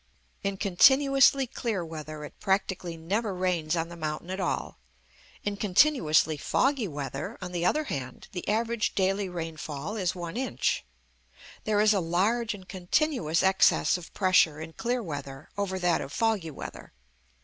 In continuously clear weather it practically never rains on the mountain at all. In continuously foggy weather, on the other hand, the average daily rainfall is 1 inch. There is a large and continuous excess of pressure in clear weather over that of foggy weather.